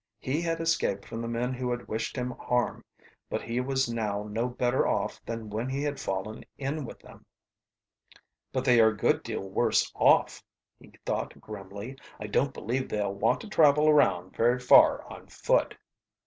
He had escaped from the men who wished him harm, but he was now no better off than when he had fallen in with them. "But they are a good deal worse off," he thought grimly. "I don't believe they'll want to travel around very far on foot."